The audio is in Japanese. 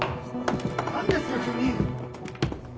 何ですか急に！？